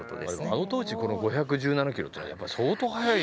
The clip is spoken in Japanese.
あの当時この５１７キロっていうのはやっぱり相当速い？